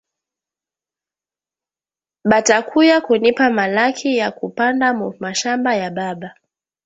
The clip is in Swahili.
Bata kuya kunipa malaki yaku panda mu mashamba ya baba